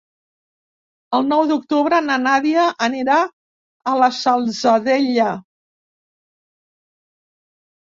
El nou d'octubre na Nàdia anirà a la Salzadella.